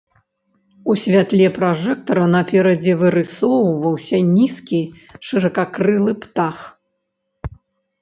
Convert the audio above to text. У святле пражэктара наперадзе вырысоўваўся нізкі, шыракакрылы птах.